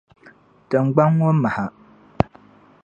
Tiŋgbaŋ ŋɔ maha.